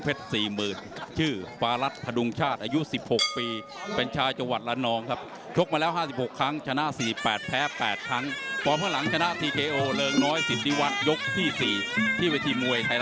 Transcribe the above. เพราะเพื่อนหลังชนะคะแนนลายไทย